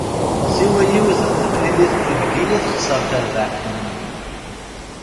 Siwa yiwet n temlilit n uheggi i texser terbaɛt n mmi.